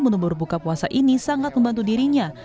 menu berbuka puasa ini sangat membantu dirinya